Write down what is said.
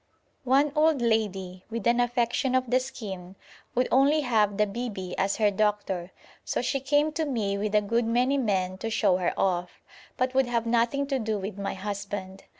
One old lady, with an affection of the skin, would only have the 'bibi' as her doctor, so she came to me with a good many men to show her off, but would have nothing to do with my husband.